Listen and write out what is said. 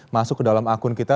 masuk ke dalam akun kita